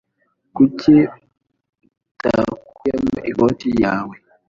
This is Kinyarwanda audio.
Kuki utakuyemo ikoti yawe